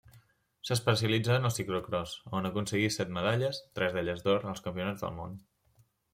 S'especialitzà en el ciclocròs on aconseguí set medalles, tres d'elles d'or, als Campionats del món.